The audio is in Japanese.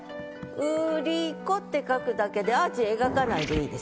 「売り子」って書くだけでアーチ描かないでいいです。